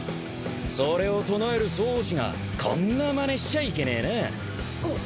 それを唱える壮士がこんなまねしちゃいけねえなぁ。